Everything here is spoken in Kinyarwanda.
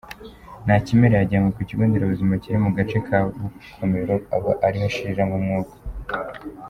Nakimera yajyanywe ku kigo nderabuzima kiri mu gace ka Bukomero aba ariho ashiriramo umwuka.